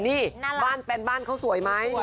นี่บ้านแฟนบ้านเขาสวยไหม